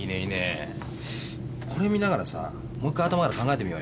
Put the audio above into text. これ見ながらさもう一回頭から考えてみようよ。